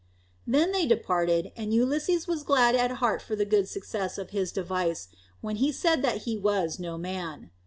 Then they departed; and Ulysses was glad at heart for the good success of his device, when he said that he was No Man.